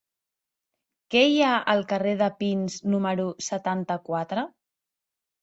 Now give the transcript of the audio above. Què hi ha al carrer de Pins número setanta-quatre?